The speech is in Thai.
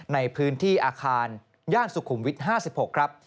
ในพื้นที่อาคารย่านสุขุมวิท๕๖ครับ